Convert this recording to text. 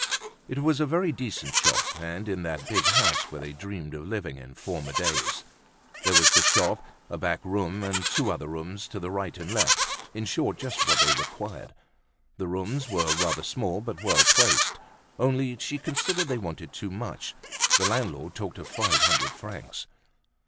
It was a very decent shop, and in that big house where they dreamed of living in former days. There was the shop, a back room, and two other rooms to the right and left; in short, just what they required. The rooms were rather small, but well placed. Only, she considered they wanted too much; the landlord talked of five hundred francs.